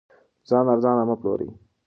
ځان ارزانه مه پلورئ.